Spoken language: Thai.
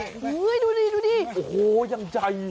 โอ้โฮดูนี่โอ้โฮยังใจ